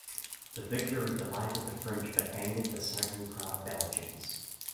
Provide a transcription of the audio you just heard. The victory delighted the French but angered the cycling-proud Belgians.